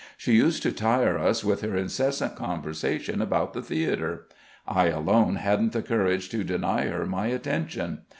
She used to tire us with her incessant conversation about the theatre. I alone hadn't the courage to deny her my attention.